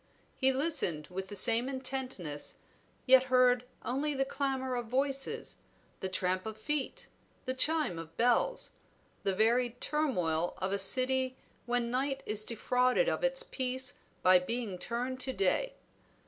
He listened with the same intentness, yet heard only the clamor of voices, the tramp of feet, the chime of bells, the varied turmoil of a city when night is defrauded of its peace by being turned to day.